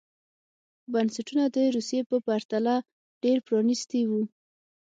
بنسټونه د روسیې په پرتله ډېر پرانېستي وو.